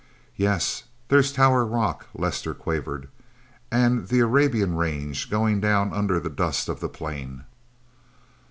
"Yes there's Tower Rock," Lester quavered. "And the Arabian Range going down under the dust of the plain."